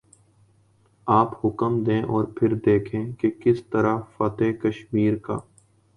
آپ حکم دیں اور پھر دیکھیں کہ کس طرح فاتح کشمیر کا